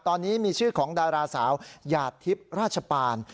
ตอนนี้มีชื่อของดาราสาวหยาดทิพย์ราชปาน